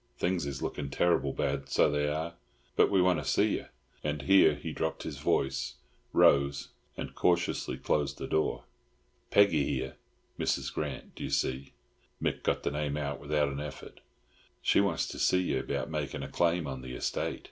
Things is looking terrible bad, so they are. But we want to see ye—" and here he dropped his voice, rose, and cautiously closed the door—"Peggy here, Mrs. Grant, d'ye see,"—Mick got the name out without an effort—"she wants to see ye about making a claim on the estate.